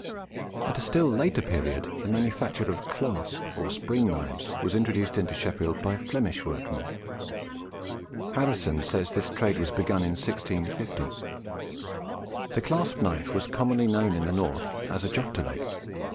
At a still later period, the manufacture of clasp or spring knives was introduced into Sheffield by Flemish workmen. Harrison says this trade was begun in 1650. The clasp knife was commonly known in the North as a jocteleg.